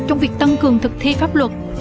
trong việc tăng cường thực thi pháp luật